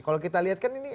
kalau kita lihat kan ini